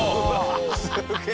すげえ！